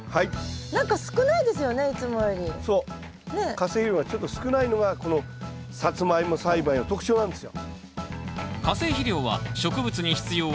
化成肥料がちょっと少ないのがこのサツマイモ栽培の特徴なんですよ。